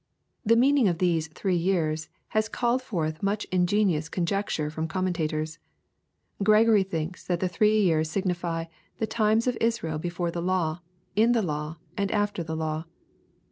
] The meaning of these " three years," has called forth much ingenious conjecture from commentators. G reg oi y thinks that the three years signify, the times of Israel before the law, in the law, and after the law.